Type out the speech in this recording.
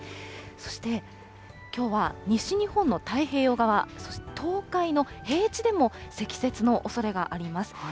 そしてきょうは、西日本の太平洋側、そして東海の平地でも、積雪のおそれがあります。